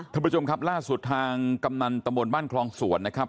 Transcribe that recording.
ท่านผู้ชมครับล่าสุดทางกำนันตำบลบ้านคลองสวนนะครับ